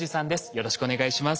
よろしくお願いします。